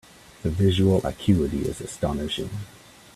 The visual acuity is astonishing.